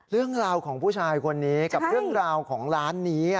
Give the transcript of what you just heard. เรื่องราวของผู้ชายคนนี้กับเรื่องราวของร้านนี้